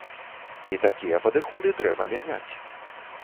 І такія падыходы трэба мяняць.